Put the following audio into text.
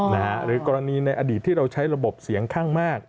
หรือกรณีในอดีตที่เราใช้ระบบเสียงข้างมาก